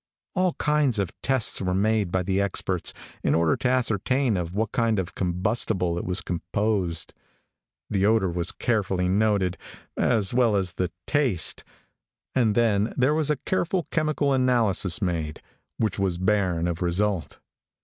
All kinds of tests were made by the experts, in order to ascertain of what kind of combustible it was composed. The odor was carefully noted, as well as the taste, and then there was a careful chemical analysis made, which was barren of result.